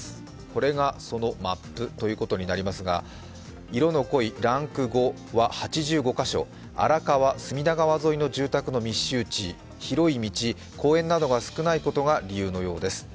これがそのマップということになりますが、色の濃いランク５は８５か所、荒川、墨田川沿いの住宅密集地、広い道、公園などが少ないことが理由のようです。